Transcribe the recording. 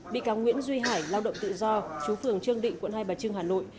bị cáo nguyễn duy hải lao động tự do chú phường trương định quận hai bà trưng hà nội